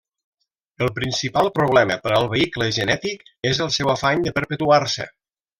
El principal problema per al vehicle genètic és el seu afany de perpetuar-se.